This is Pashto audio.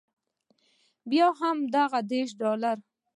بیا هم هماغه دېرش ډالره.